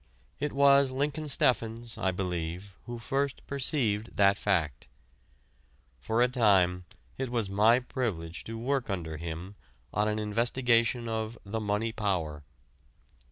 It was Lincoln Steffens, I believe, who first perceived that fact. For a time it was my privilege to work under him on an investigation of the "Money Power."